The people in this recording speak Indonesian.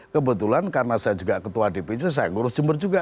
kebetulan karena saya juga ketua dpc saya ngurus jember juga